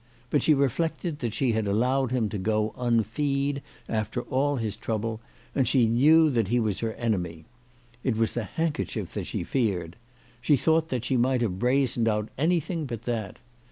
But she reflected that she had allowed him to go unfee'd after all his trouble, and she knew that he was her enemy. It was the handkerchief that she feared. She thought that she might have brazened out anything but that.